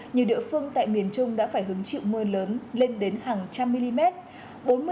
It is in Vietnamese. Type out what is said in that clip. nhiều địa phương tại miền trung đã phải hứng chịu mưa lớn lên đến hàng trăm mm